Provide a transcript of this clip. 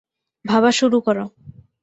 ভাবা শুরু করো।